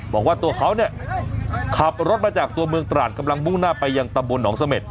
บอกว่าตัวเขาเนี่ยขับรถมาจากตัวเมืองตราดกำลังมุ่งหน้าไปยังตำบลหนองเสม็ด